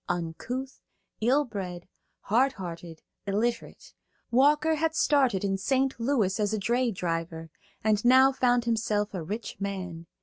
Uncouth, ill bred, hardhearted, illiterate, Walker had started in St. Louis as a dray driver, and now found himself a rich man.